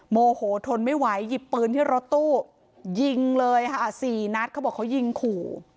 โมโหทนไม่ไหวหยิบปืนที่รถตู้ยิงเลยค่ะสี่นัดเขาบอกเขายิงขู่